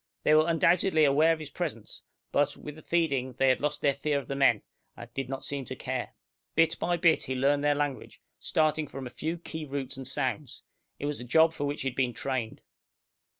They were undoubtedly aware of his presence, but, with the feeding, they had lost their fear of the men, and did not seem to care. Bit by bit he learned their language, starting from a few key roots and sounds. It was a job for which he had been trained.